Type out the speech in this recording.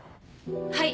はい。